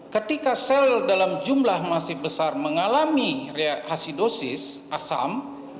ketika sel dalam jumlah masih besar mengalami reaksi dosis asam